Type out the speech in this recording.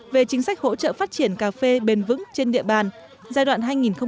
về chính sách hỗ trợ phát triển cà phê bền vững trên địa bàn giai đoạn hai nghìn một mươi tám hai nghìn hai mươi